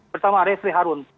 pertama resli harun